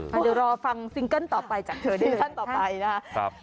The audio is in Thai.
เดี๋ยวรอฟังซิงเกิ้ลต่อไปจากเธอดิชั่นต่อไปนะครับ